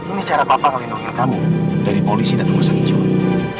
ini cara papa ngelindungin kamu dari polisi dan rumah sakit cuy